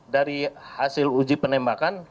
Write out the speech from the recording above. dari hasil uji penembakan